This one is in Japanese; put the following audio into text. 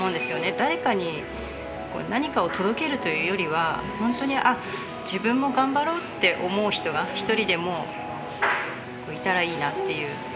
誰かに何かを届けるというよりは、本当に、あっ、自分も頑張ろうって思う人が一人でもいたらいいなっていう。